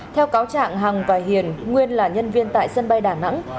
theo cáo trạng hằng và hiền nguyên là nhân viên tại sân bay đà nẵng